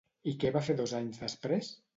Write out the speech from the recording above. I què va fer dos anys després?